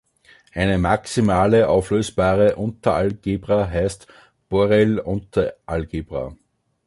Eine maximale auflösbare Unteralgebra heißt "Borel-Unteralgebra".